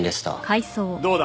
どうだ？